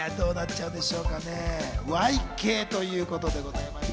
Ｙ系ということでございます。